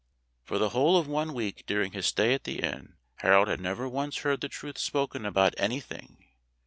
For the whole of one week during his stay at the inn Harold had never once heard the truth spoken about anything.